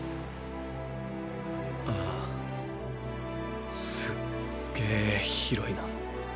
あぁすっげぇ広いな。